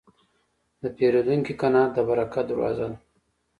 د پیرودونکي قناعت د برکت دروازه ده.